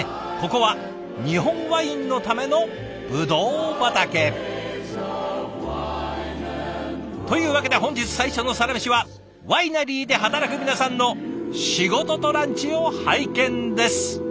ここは日本ワインのためのブドウ畑。というわけで本日最初のサラメシはワイナリーで働く皆さんの仕事とランチを拝見です！